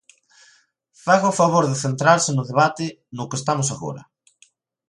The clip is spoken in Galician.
Faga o favor de centrarse no debate no que estamos agora.